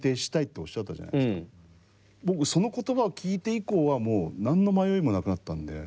僕その言葉を聞いて以降はもう何の迷いもなくなったんで。